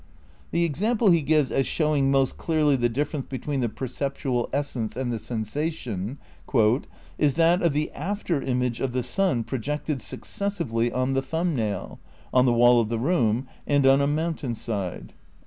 The example he gives as showing "most clearly the difference between the perceptual essence and the sen sation" "is that of the after image of the sun projected successively on the thumb nail, on the wall of the room and on a mountain side."